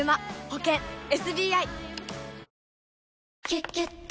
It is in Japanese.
「キュキュット」